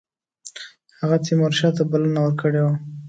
هغه تیمورشاه ته بلنه ورکړې وه.